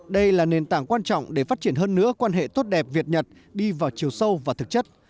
đây là nền tảng quan trọng để phát triển hơn nữa quan hệ tốt đẹp việt nhật đi vào chiều sâu và thực chất